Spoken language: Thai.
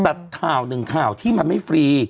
แต่ข่าวหนึ่งข่าวที่มันไม่ฟรี